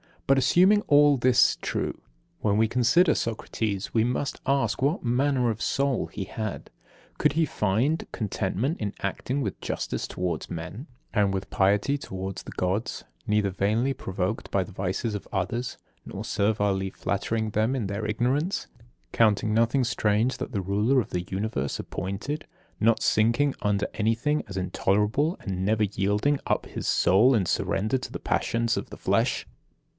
But, assuming all this true, when we consider Socrates, we must ask what manner of soul he had. Could he find contentment in acting with justice towards men, and with piety towards the Gods, neither vainly provoked by the vices of others, nor servilely flattering them in their ignorance; counting nothing strange that the Ruler of the Universe appointed, not sinking under anything as intolerable, and never yielding up his soul in surrender to the passions of the flesh.